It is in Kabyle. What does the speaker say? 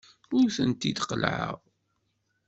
Ur tent-id-qellɛeɣ.